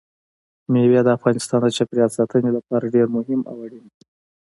مېوې د افغانستان د چاپیریال ساتنې لپاره ډېر مهم او اړین دي.